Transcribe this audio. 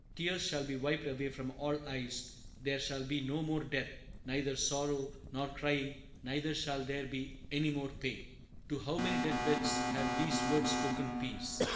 Tears shall be wiped away from all eyes; there shall be no more death, neither sorrow nor crying, neither shall there be any more pain. To how many death beds have these words spoken peace!